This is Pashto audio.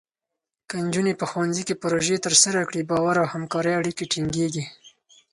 که نجونې په ښوونځي کې پروژې ترسره کړي، باور او همکارۍ اړیکې ټینګېږي.